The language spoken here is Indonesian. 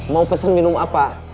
mau pesan minum apa